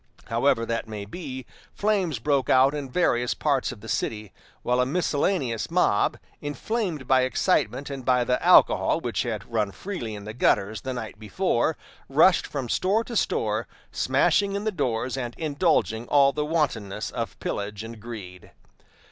However that may be, flames broke out in various parts of the city, while a miscellaneous mob, inflamed by excitement and by the alcohol which had run freely in the gutters the night before, rushed from store to store, smashing in the doors and indulging all the wantonness of pillage and greed.